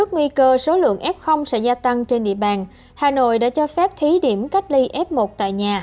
nhiều lượng f sẽ gia tăng trên địa bàn hà nội đã cho phép thí điểm cách ly f một tại nhà